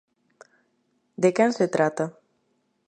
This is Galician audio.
De quen se trata?